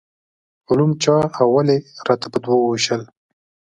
علوم چا او ولې راته په دوو وویشل.